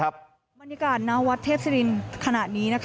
บรรยากาศณวัดเทพศิรินขณะนี้